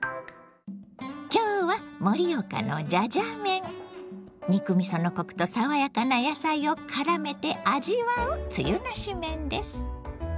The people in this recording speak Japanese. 今日は盛岡の肉みそのコクとさわやかな野菜をからめて味わうつゆなし麺です。